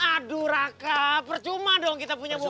aduh raka percuma dong kita punya bukti